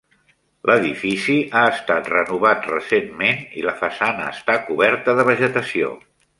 L'edifici ha estat renovat recentment i la façana està coberta de vegetació.